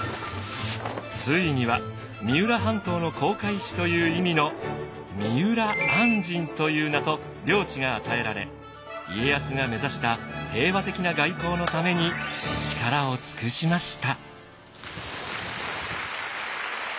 ついには三浦半島の航海士という意味の三浦按針という名と領地が与えられ家康が目指した平和的な外交のために力を尽くしました。